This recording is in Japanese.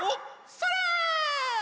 それ！